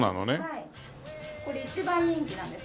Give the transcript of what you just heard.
これ一番人気なんです。